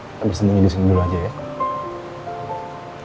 kita bisa tinggal di sini dulu aja ya